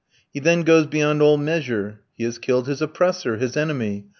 He then goes beyond all measure. He has killed his oppressor, his enemy.